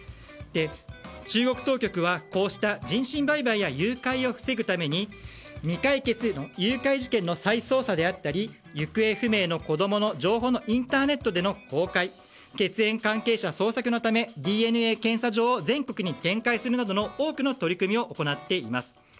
中国当局はこうした人身売買や誘拐を防ぐために未解決の誘拐事件の再捜査であったり行方不明の子供の情報のインターネットでの公開血縁関係者捜索のためＤＮＡ検査場を全国に展開するなどの多くの取り組みを行っています。